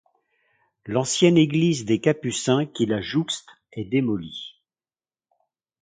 L'ancienne église des Capucins qui la jouxte est démolie.